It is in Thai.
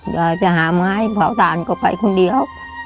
อยากจะหาไม้เผาถ่านก็ไปคนเดียว